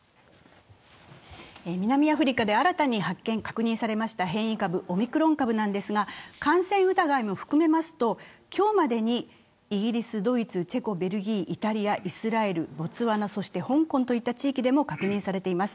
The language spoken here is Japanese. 南アフリカで新たに発見・確認されましたオミクロン株なんですが感染疑いも含めますと今日までに、イギリス、ドイツ、チェコ、ベルギー、イタリア、イスラエル、ボツワナ、そして香港といった地域でも確認されています。